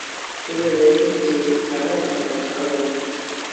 اُئي ريتيٚ کي ڇآڻڻي سآݩ ڇآڻو۔